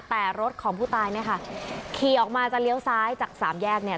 แต่รถของผู้ตายเนี่ยค่ะขี่ออกมาจะเลี้ยวซ้ายจากสามแยกเนี่ย